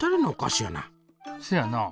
そやな。